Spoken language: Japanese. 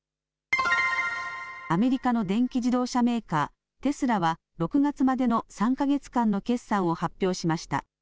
アメリカの電気自動車メーカー、テスラは６月までの３か月間の決算を発表しました。